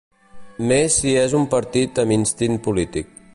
Més és un partit amb instint polític